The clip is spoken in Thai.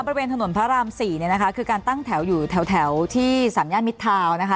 บริเวณถนนพระราม๔คือการตั้งแถวอยู่แถวที่สามญาติมิตรทาวน์นะคะ